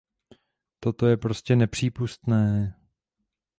Toto je prostě nepřípustné.